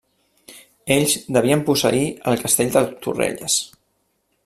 Ells devien posseir el Castell de Torrelles.